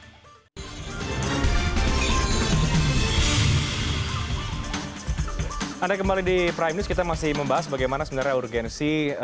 prime akan kembali saat lagi anda kembali di prime kita masih membahas bagaimana sebenarnya urgensi